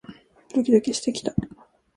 ドキドキしてきた